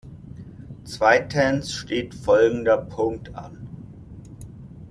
Zweitens steht folgender Punkt an.